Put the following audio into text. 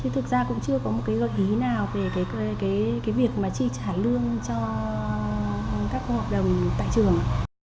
thực ra cũng chưa có một cái gợi ý nào về cái việc mà chi trả lương cho các hợp đồng tại trường